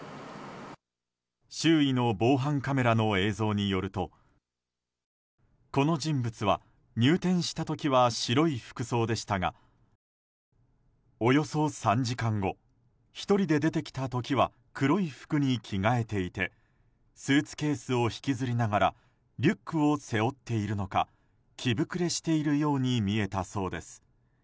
周囲の防犯カメラの映像によるとこの人物は入店した時は白い服装でしたがおよそ３時間後１人で出てきた時は黒い服に着替えていてスーツケースを引きずりながらリュックを背負っているのか着ぶくれしているように見えたそうです。